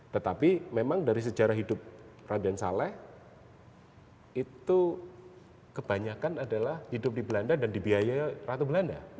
tetapi memang dari sejarah hidup raden saleh itu kebanyakan adalah hidup di belanda dan dibiayai ratu belanda